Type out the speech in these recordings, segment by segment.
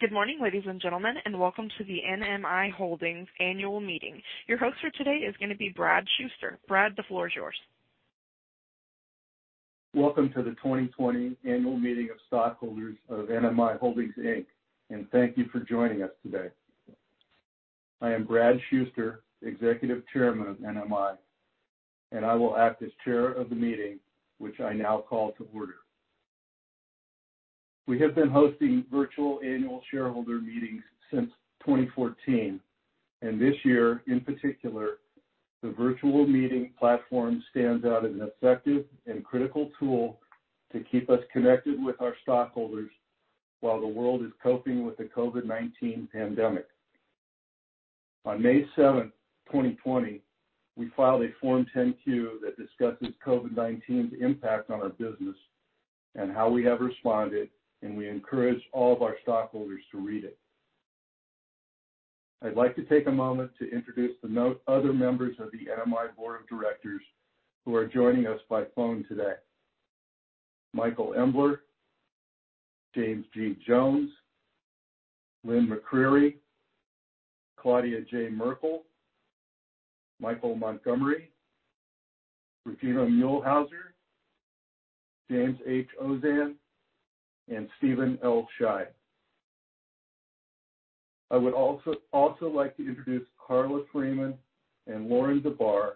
Good morning, ladies and gentlemen, and welcome to the NMI Holdings Annual Meeting. Your host for today is going to be Brad Shuster. Brad, the floor is yours. Welcome to the 2020 Annual Meeting of Stockholders of NMI Holdings, Inc., and thank you for joining us today. I am Brad Shuster, Executive Chairman of NMI, and I will act as chair of the meeting, which I now call to order. We have been hosting virtual annual shareholder meetings since 2014, and this year in particular, the virtual meeting platform stands out as an effective and critical tool to keep us connected with our stockholders while the world is coping with the COVID-19 pandemic. On May 7, 2020, we filed a Form 10-Q that discusses COVID-19's impact on our business and how we have responded, and we encourage all of our stockholders to read it. I'd like to take a moment to introduce the other members of the NMI Board of Directors who are joining us by phone today: Michael Embler, James G. Jones, Lynn McCreary, Claudia J. Merkle, Michael Montgomery, Regina Muehlhauser, James H. Ozanne, and Steven L. Scheid. I would also like to introduce Carla Freeman and Lauren DeBarr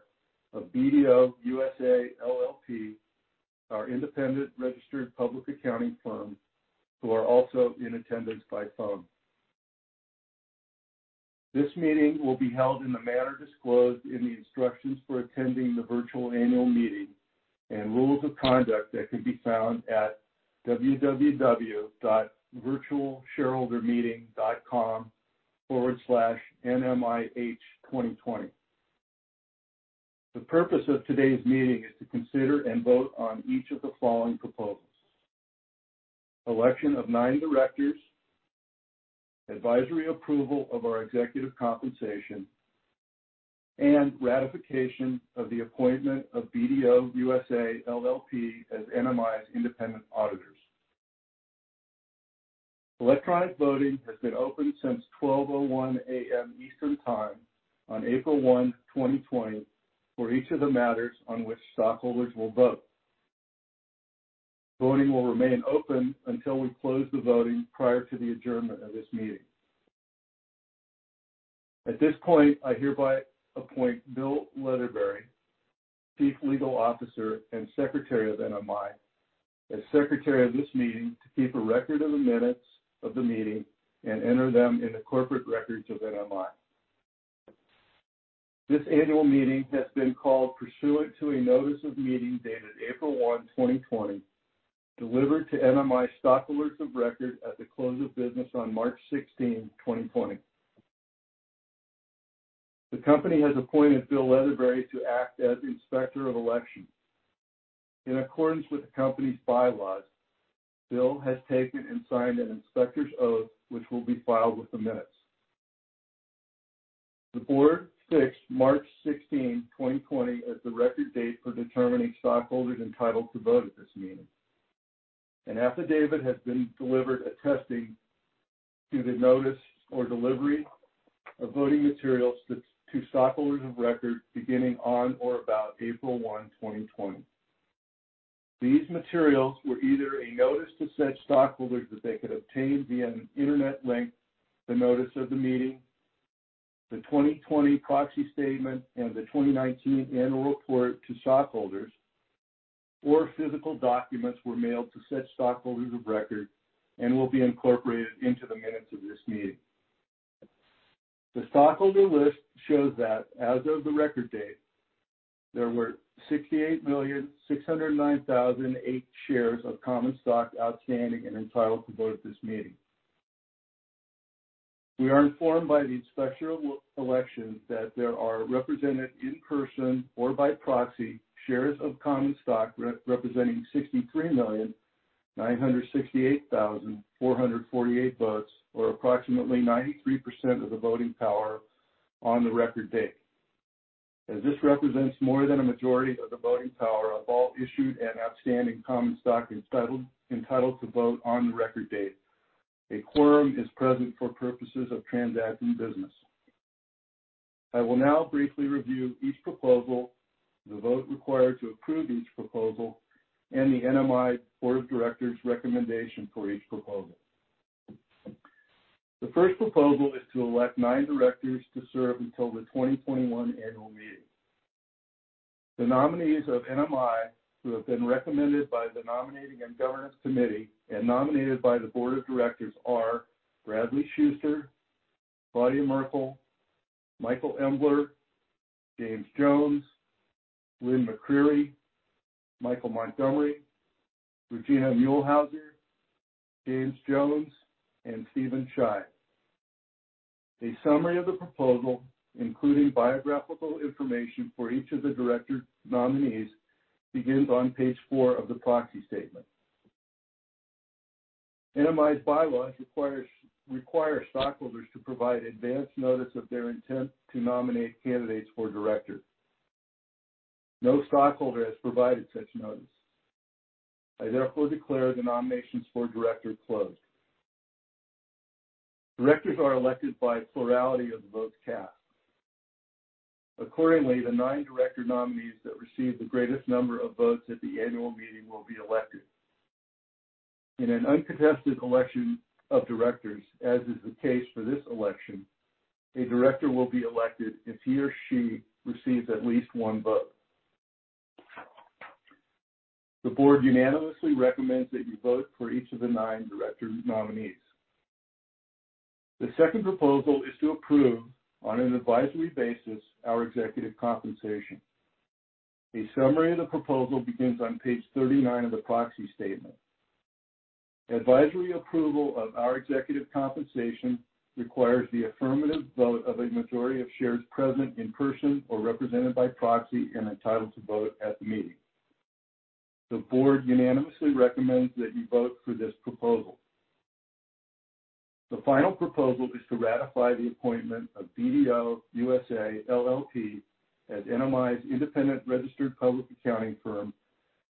of BDO USA, LLP, our independent registered public accounting firm, who are also in attendance by phone. This meeting will be held in the manner disclosed in the instructions for attending the virtual annual meeting and rules of conduct that can be found at www.virtualshareholdermeeting.com/NMIH2020. The purpose of today's meeting is to consider and vote on each of the following proposals. Election of nine directors, advisory approval of our executive compensation, and ratification of the appointment of BDO USA, LLP as NMI's independent auditors. Electronic voting has been open since 12:01 AM Eastern Time on April 1, 2020, for each of the matters on which stockholders will vote. Voting will remain open until we close the voting prior to the adjournment of this meeting. At this point, I hereby appoint Bill Leatherberry, Chief Legal Officer and Secretary of NMI, as Secretary of this meeting to keep a record of the minutes of the meeting and enter them in the corporate records of NMI. This annual meeting has been called pursuant to a notice of meeting dated April 1, 2020, delivered to NMI stockholders of record at the close of business on March 16, 2020. The company has appointed Bill Leatherberry to act as Inspector of Election. In accordance with the company's bylaws, Bill has taken and signed an Inspector's Oath, which will be filed with the minutes. The board fixed March 16, 2020, as the record date for determining stockholders entitled to vote at this meeting. An affidavit has been delivered attesting to the notice or delivery of voting materials to stockholders of record beginning on or about April 1, 2020. These materials were either a notice to such stockholders that they could obtain via an internet link, the notice of the meeting, the 2020 proxy statement, and the 2019 annual report to stockholders, or physical documents were mailed to such stockholders of record and will be incorporated into the minutes of this meeting. The stockholder list shows that as of the record date, there were 68,609,008 shares of common stock outstanding and entitled to vote at this meeting. We are informed by the Inspector of Elections that there are represented in person or by proxy shares of common stock representing 63,968,448 votes, or approximately 93% of the voting power on the record date. As this represents more than a majority of the voting power of all issued and outstanding common stock entitled to vote on the record date, a quorum is present for purposes of transacting business. I will now briefly review each proposal, the vote required to approve each proposal, and the NMI Board of Directors' recommendation for each proposal. The first proposal is to elect nine directors to serve until the 2021 annual meeting. The nominees of NMI who have been recommended by the Nominating and Governance Committee and nominated by the Board of Directors are Bradley Shuster, Claudia Merkle, Michael Embler, James Jones, Lynn McCreary, Michael Montgomery, Regina Muehlhauser, James Jones, and Steven Scheid. A summary of the proposal, including biographical information for each of the director nominees, begins on page four of the proxy statement. NMI's bylaws require stockholders to provide advance notice of their intent to nominate candidates for director. No stockholder has provided such notice. I therefore declare the nominations for director closed. Directors are elected by a plurality of the votes cast. Accordingly, the nine director nominees that receive the greatest number of votes at the annual meeting will be elected. In an uncontested election of directors, as is the case for this election, a director will be elected if he or she receives at least one vote. The board unanimously recommends that you vote for each of the nine director nominees. The second proposal is to approve, on an advisory basis, our executive compensation. A summary of the proposal begins on page 39 of the proxy statement. Advisory approval of our executive compensation requires the affirmative vote of a majority of shares present in person or represented by proxy, and entitled to vote at the meeting. The board unanimously recommends that you vote for this proposal. The final proposal is to ratify the appointment of BDO USA, LLP as NMI's independent registered public accounting firm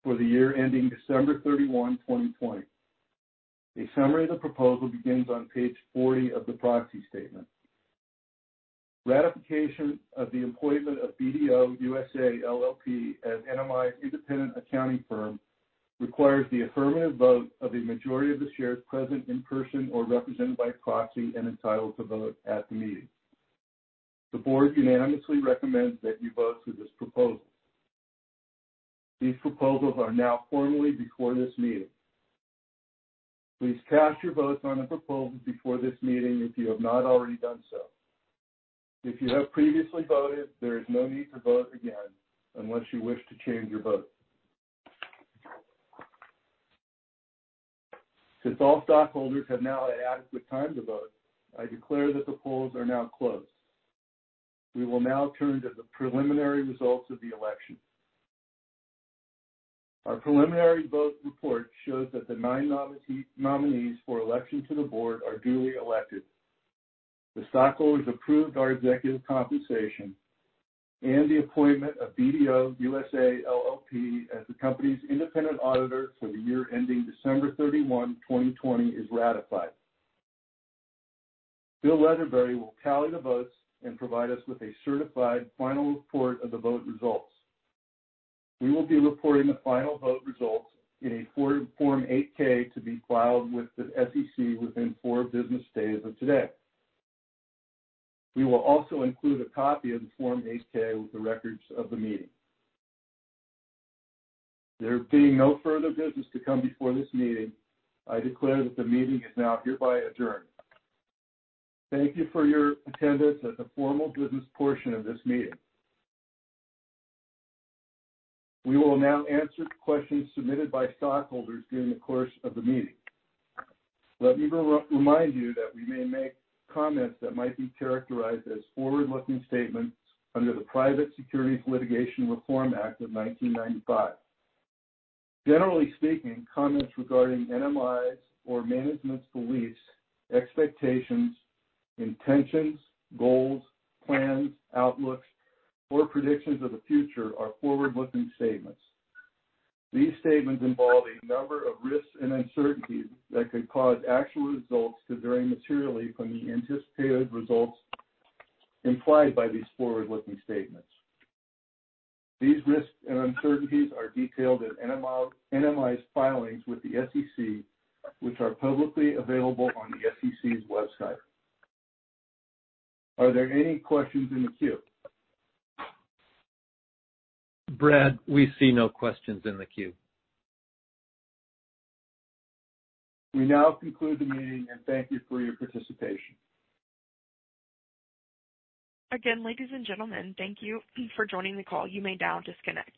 for the year ending December 31, 2020. A summary of the proposal begins on page 40 of the proxy statement. Ratification of the appointment of BDO USA, LLP as NMI's independent accounting firm requires the affirmative vote of a majority of the shares present in person or represented by proxy and entitled to vote at the meeting. The board unanimously recommends that you vote for this proposal. These proposals are now formally before this meeting. Please cast your votes on the proposals before this meeting if you have not already done so. If you have previously voted, there is no need to vote again unless you wish to change your vote. Since all stockholders have now had adequate time to vote, I declare that the polls are now closed. We will now turn to the preliminary results of the election. Our preliminary vote report shows that the nine nominees for election to the board are duly elected. The stockholders approved our executive compensation and the appointment of BDO USA, LLP as the company's independent auditor for the year ending December 31, 2020, is ratified. Bill Leatherberry will tally the votes and provide us with a certified final report of the vote results. We will be reporting the final vote results in a Form 8-K to be filed with the SEC within four business days of today. We will also include a copy of the Form 8-K with the records of the meeting. There being no further business to come before this meeting, I declare that the meeting is now hereby adjourned. Thank you for your attendance at the formal business portion of this meeting. We will now answer the questions submitted by stockholders during the course of the meeting. Let me remind you that we may make comments that might be characterized as forward-looking statements under the Private Securities Litigation Reform Act of 1995. Generally speaking, comments regarding NMI's or management's beliefs, expectations, intentions, goals, plans, outlooks, or predictions of the future are forward-looking statements. These statements involve a number of risks and uncertainties that could cause actual results to vary materially from the anticipated results implied by these forward-looking statements. These risks and uncertainties are detailed in NMI's filings with the SEC, which are publicly available on the SEC's website. Are there any questions in the queue? Brad, we see no questions in the queue. We now conclude the meeting, and thank you for your participation. Again, ladies and gentlemen, thank you for joining the call. You may now disconnect.